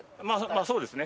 まあそうですね。